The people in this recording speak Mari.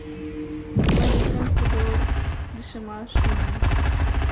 Мый декем содор лишемаш тӱҥале.